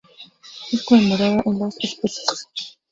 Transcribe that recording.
Es conmemorada en las especies